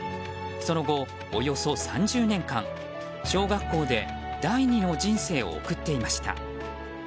その後、およそ３０年間小学校で第二の人生を送っていました。